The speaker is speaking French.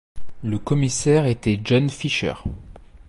Le commissaire était John Fisher.